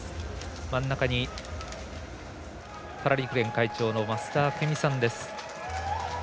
真ん中にパラ陸連会長の増田明美さんです。